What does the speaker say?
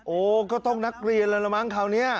ก็ต้องนักเรียนแล้วละมั้งคราวนี้